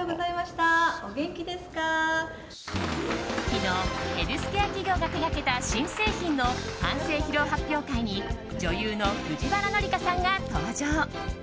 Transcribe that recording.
昨日ヘルスケア企業が手掛けた新製品の完成披露発表会に女優の藤原紀香さんが登場。